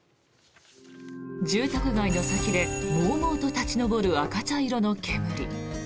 住宅街の先でもうもうと立ち上る赤茶色の煙。